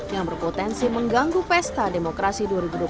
yang berpotensi mengganggu pesta demokrasi dua ribu dua puluh